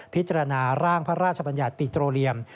พิจารณาร่างพระราชบัญญัติปิโตเรียม